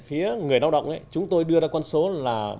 phía người lao động chúng tôi đưa ra con số là